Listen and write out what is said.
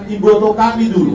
ibu otok kami dulu